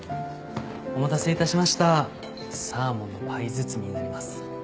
お待たせいたしましたサーモンのパイ包みになります。